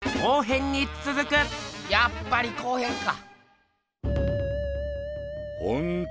やっぱり後編か。